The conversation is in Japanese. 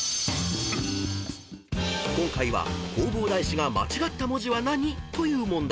［今回は「弘法大師が間違った文字は何？」という問題］